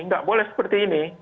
nggak boleh seperti ini